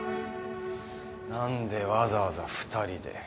なんでわざわざ２人で。